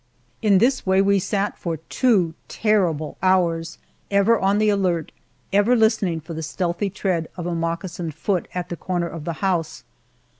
In this way we sat for two terrible hours, ever on the alert, ever listening for the stealthy tread of a moccasined foot at a corner of the house.